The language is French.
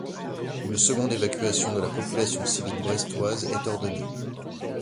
Une seconde évacuation de la population civile brestoise est ordonnée.